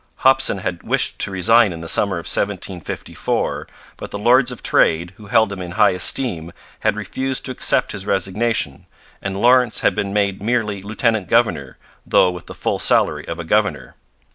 Hopson had wished to resign in the summer of 1754; but the Lords of Trade, who held him in high esteem, had refused to accept his resignation, and Lawrence had been made merely lieutenant governor, though with the full salary of a governor.